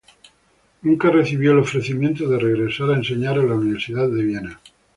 Nunca recibió el ofrecimiento de regresar a enseñar a la Universidad de Viena.